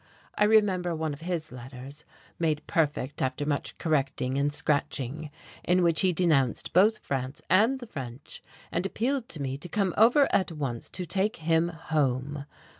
I remember one of his letters made perfect after much correcting and scratching, in which he denounced both France and the French, and appealed to me to come over at once to take him home.